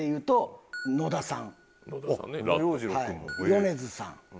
米津さん。